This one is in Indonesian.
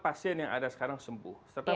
pasien yang ada sekarang sembuh setelah